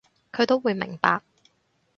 佢都會明白